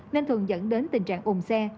nên thường dẫn đến tình trạng ùn xe